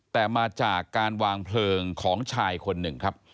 แต่มาจากการวางเพลิงของชายคนหนึ่งครับ